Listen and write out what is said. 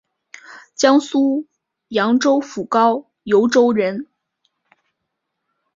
江苏扬州府高邮州人。